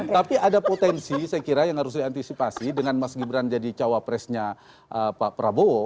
tapi ada potensi saya kira yang harus diantisipasi dengan mas gibran jadi cawapresnya pak prabowo